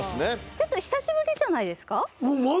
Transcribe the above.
ちょっと久しぶりじゃないですか？